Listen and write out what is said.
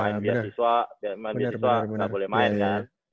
main beasiswa ga boleh main kan